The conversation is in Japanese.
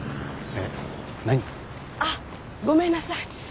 えっ何？あっごめんなさい。